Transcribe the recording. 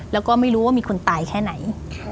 แล้วก็ไม่รู้ว่ามีคนตายแค่ไหน